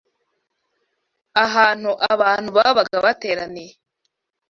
ahantu abantu babaga bateraniye